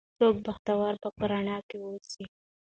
څوک بختوره به په رڼا کې اوسي